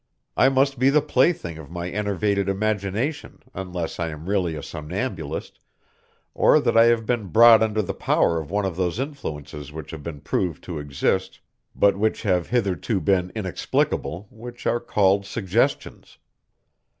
I must be the plaything of my enervated imagination, unless I am really a somnambulist, or that I have been brought under the power of one of those influences which have been proved to exist, but which have hitherto been inexplicable, which are called suggestions.